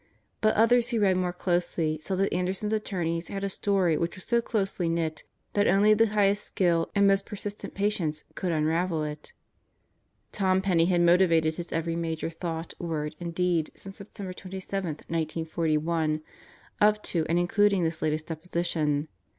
But others who read more dosely saw that Anderson's attorneys had a story which was so closely knit that only the highest skill and most persistent patience could unravel it Tom Penney had motivated his every major thought, word, and deed since September 27, 1941, up to and including this latest deposi tion.